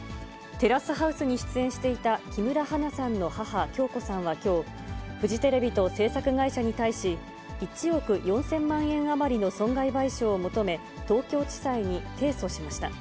テラスハウスに出演していた木村花さんの母、響子さんはきょう、フジテレビと制作会社に対し、１億４０００万円余りの損害賠償を求め、東京地裁に提訴しました。